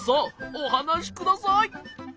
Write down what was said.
おはなしください。